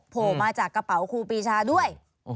โผล่มาจากกระเป๋าครูปีชาด้วย